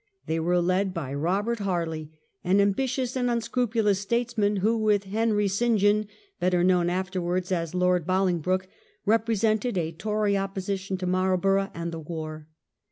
They were led by Robert Harley, an ambitious and unscrupulous statesman, who, with Henry St. John, better known afterwards as Lord Bolingbroke, represented a Tory opposition to Marl borough and the war.